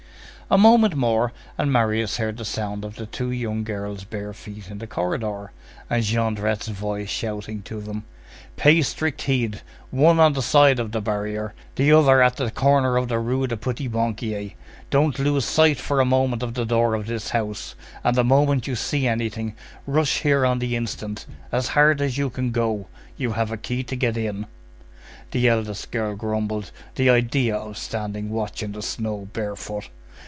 A moment more, and Marius heard the sound of the two young girls' bare feet in the corridor, and Jondrette's voice shouting to them:— "Pay strict heed! One on the side of the barrier, the other at the corner of the Rue du Petit Banquier. Don't lose sight for a moment of the door of this house, and the moment you see anything, rush here on the instant! as hard as you can go! You have a key to get in." The eldest girl grumbled:— "The idea of standing watch in the snow barefoot!"